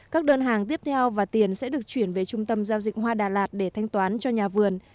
các đơn hàng tiếp theo và tiền sẽ được chuyển về trung tâm giao dịch hoa đà lạt để thanh toán cho nhà vườn